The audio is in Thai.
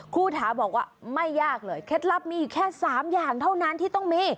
ครูถาบอกว่าไม่ยากเลยเคล็ดลับมีอยู่แค่๓อย่างเท่านั้นที่ต้องมี